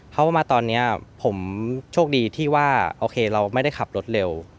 เพราะว่ามาตอนนี้ผมโชคดีที่ว่าโอเคเราไม่ได้ขับรถเร็ว